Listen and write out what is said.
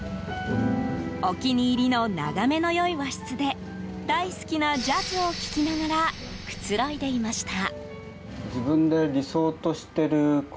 お気に入りの眺めの良い和室で大好きなジャズを聴きながらくつろいでいました。